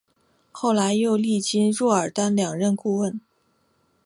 后来又历经若尔丹两任顾问。